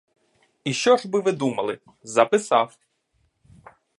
І що ж би ви думали — записав!